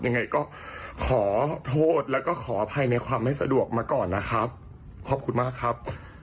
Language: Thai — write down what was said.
ยังไงก็ขอโทษแล้วก็ขออภัยในความไม่สะดวกมาก่อนนะครับขอบคุณมากครับ